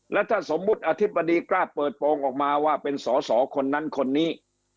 แล้วถ้าสมมุติอธิบดีกล้าเปิดโปรงออกมาว่าเป็นสอสอคนนั้นคนนี้